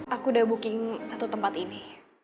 aku udah booking satu tempat ini